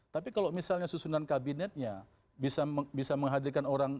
tapi kalau misalnya susunan kabinetnya bisa menghadirkan orang